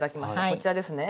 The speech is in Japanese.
こちらですね。